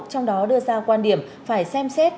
trong đó đưa ra quan điểm phải xem xét